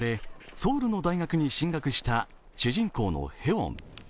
ソウルの大学に進学した主人公のヘウォン。